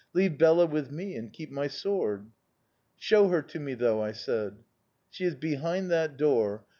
Leave Bela with me and keep my sword!' "'Show her to me, though,' I said. "'She is behind that door.